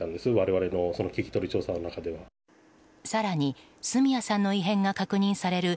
更に、角谷さんの異変が確認される